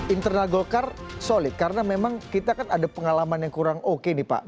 internal golkar solid karena memang kita kan ada pengalaman yang kurang oke nih pak